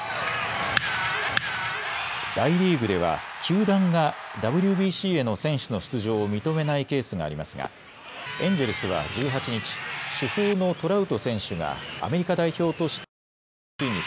大リーグでは球団がＷＢＣへの選手の出場を認めないケースがありますがエンジェルスは１８日、主砲のトラウト選手がアメリカ代表としてＷＢＣに